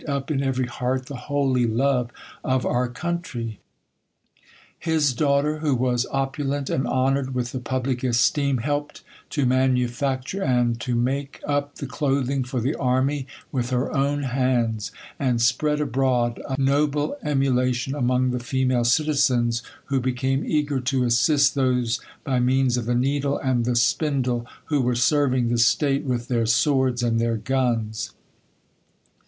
p ill every heart the holy love of our country. His daughter, who was opulent and honored with the public esteem, dielpcd to manufacture and to make up the clothing for the^ army with her own hands ; and spread abroad a noble emulation among the female citizens, who became eager to assist those by means of the needle and the spindle, who were serving the state ^yith their swords and their guns.